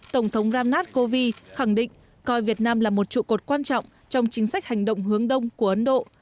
tổng thống ram nath kovind khẳng định coi việt nam là một trụ cột quan trọng trong chính sách hành động hướng đông của ấn độ